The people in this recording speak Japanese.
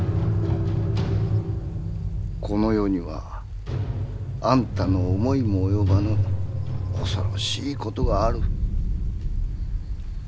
この世にはあんたの思いも及ばぬ恐ろしい事がある。